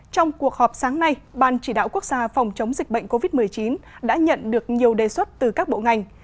trong cuộc họp sáng nay ban chỉ đạo quốc gia phòng chống dịch bệnh covid một mươi chín đã nhận được nhiều đề xuất từ các bộ ngành